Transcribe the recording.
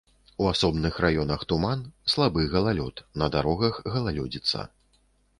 У асобных раёнах туман, слабы галалёд, на дарогах галалёдзіца.